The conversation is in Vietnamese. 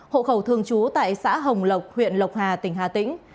hộ khẩu thường trú tại xã hồng lộc huyện lộc hà tỉnh hà tĩnh